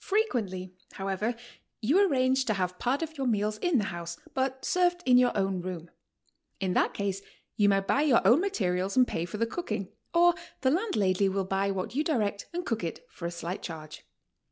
Frequently, liowever, you arrange to have part of your meals in the house, but served in your own room. In that case you may buy your own materials and pay for the cooking, or the landlady will buy what you direct and cook it for a slight charge.